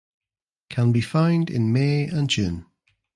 Can be found in May and June.